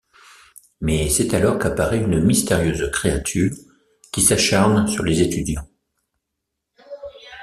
Mais c'est alors qu'apparaît une mystérieuse créature qui s'acharne sur les étudiants...